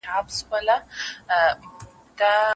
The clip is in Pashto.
چا چي سوځولي زموږ د کلیو خړ کورونه دي